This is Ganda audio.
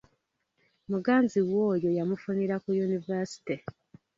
Muganzi we oyo yamufunira ku yunivaasite.